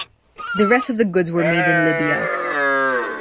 The rest of goods were made in Libya.